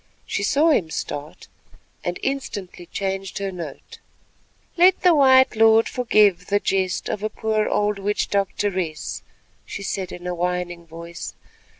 She saw him start, and instantly changed her note. "Let the white lord forgive the jest of a poor old witch doctoress," she said in a whining voice.